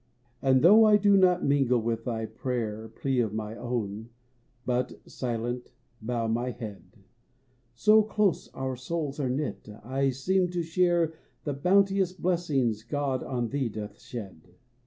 And though I do not mingle with thy prayer Plea of my own, but, silent, bow my head, So close our souls are knit, I seem to share The bounteous blessings God on thee doth shed.